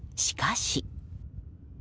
しかし。